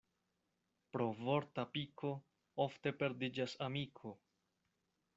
Pro vorta piko ofte perdiĝas amiko.